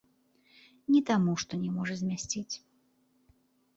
Не таму, што не можа змясціць.